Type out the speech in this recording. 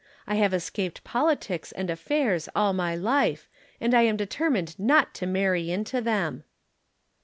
I have escaped politics and affairs all my life, and I am determined not to marry into them."